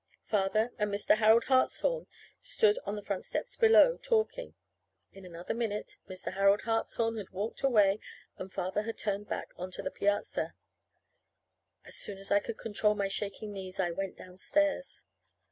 Father and Mr. Harold Hartshorn stood on the front steps below, talking. In another minute Mr. Harold Hartshorn had walked away, and Father had turned back on to the piazza. As soon as I could control my shaking knees, I went downstairs.